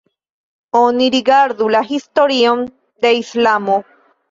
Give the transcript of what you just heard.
Oni rigardu la historion de islamo.